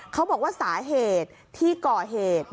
เขาบอกว่าสาเหตุที่ก่อเหตุ